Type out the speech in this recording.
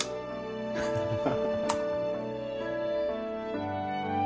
ハハハハ